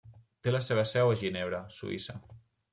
Té la seva seu a Ginebra, Suïssa.